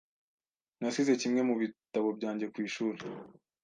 Nasize kimwe mu bitabo byanjye ku ishuri .